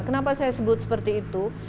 kenapa saya sebut seperti itu